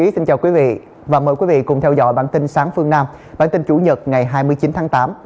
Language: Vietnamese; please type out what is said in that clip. xin chào quý vị và mời quý vị cùng theo dõi bản tin sáng phương nam bản tin chủ nhật ngày hai mươi chín tháng tám